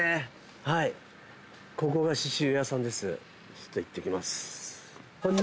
ちょっといってきます。